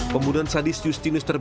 pembunuhan sadis justinus terbukti